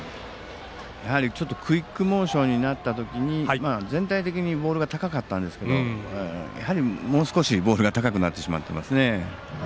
やはり、ちょっとクイックモーションになった時に全体的にボール高かったんですがやはり、もう少しボールが高くなってしまっていますね。